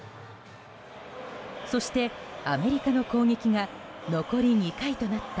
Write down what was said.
そしてアメリカの攻撃が残り２回となった